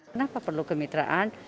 kenapa perlu kemitraan